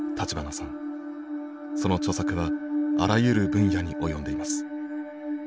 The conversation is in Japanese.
その著作はあらゆる分野に及んでいます。